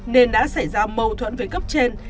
nên đã xảy ra mâu thuẫn với cấp trên